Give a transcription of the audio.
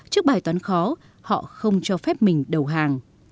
trước bài toán khó họ không cho phép mình đầu hàng